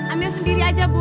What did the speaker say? ambil sendiri aja bu